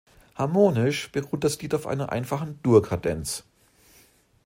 Harmonisch beruht das Lied auf einer einfachen Dur-Kadenz.